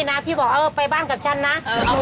เขาคือพ่อบอกพ่อไม่ไปแต่อยู่ไหน